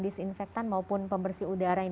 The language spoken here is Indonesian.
disinfektan maupun pembersih udara yang